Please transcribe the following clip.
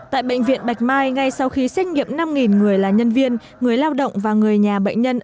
tại bệnh viện bạch mai ngay sau khi xét nghiệm năm người là nhân viên người lao động và người nhà bệnh nhân